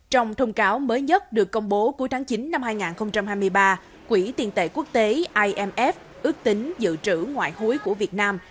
trong thông cáo mới nhất được công bố cuối tháng chín năm hai nghìn hai mươi ba quỹ tiền tệ quốc tế imf ước tính dự trữ ngoại hối của việt nam